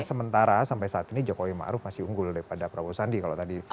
sementara sampai saat ini jokowi ma'ruf masih unggul daripada prabowo sandi kalau tadi datanya